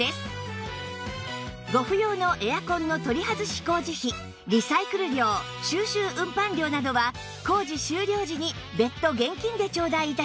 ご不要のエアコンの取り外し工事費リサイクル料収集運搬料などは工事終了時に別途現金で頂戴致します